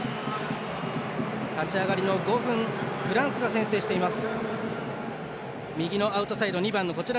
立ち上がりの５分フランスが先制しています。